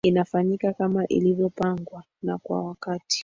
inafanyika kama ilivyopangwa na kwa wakati